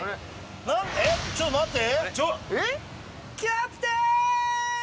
えっちょっと待って。